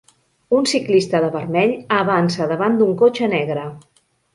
Un ciclista de vermell avança davant d'un cotxe negre.